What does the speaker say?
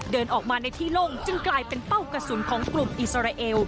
เดินออกมาในที่โล่งจึงกลายเป็นเป้ากระสุนของกลุ่มอิสราเอล